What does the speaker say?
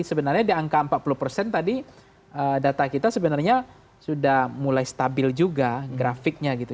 sebenarnya di angka empat puluh persen tadi data kita sebenarnya sudah mulai stabil juga grafiknya gitu